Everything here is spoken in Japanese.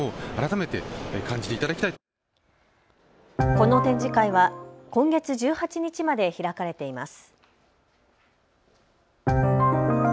この展示会は今月１８日まで開かれています。